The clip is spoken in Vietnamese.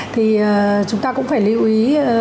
thì chúng ta cũng phải lưu ý